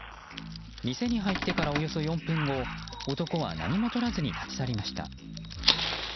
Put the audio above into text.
店に入ってから、およそ４分後男は何もとらずに立ち去りました。